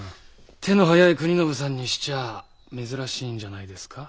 手の早い国宣さんにしちゃ珍しいんじゃないですか？